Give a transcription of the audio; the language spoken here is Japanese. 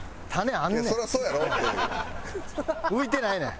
浮いてないねん。